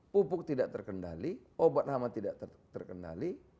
pupuk tidak terkendali obat lama tidak terkendali